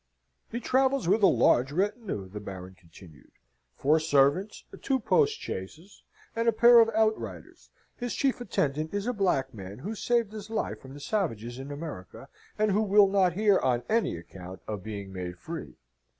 "He travels with a large retinue," the Baron continued, "four servants, two postchaises, and a pair of outriders. His chief attendant is a black man who saved his life from the savages in America, and who will not hear, on any account, of being made free.